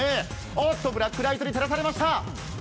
おっと、ブラックライトに照らされました。